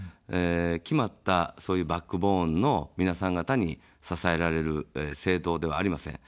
決まった、バックボーンの皆さん方に支えられる政党ではありません。